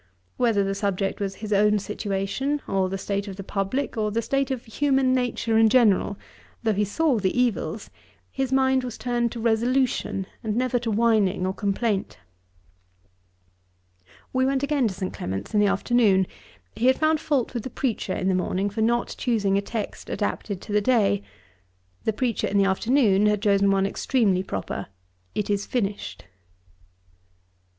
Whether the subject was his own situation, or the state of the publick, or the state of human nature in general, though he saw the evils, his mind was turned to resolution, and never to whining or complaint. We went again to St. Clement's in the afternoon. He had found fault with the preacher in the morning for not choosing a text adapted to the day. The preacher in the afternoon had chosen one extremely proper: 'It is finished.'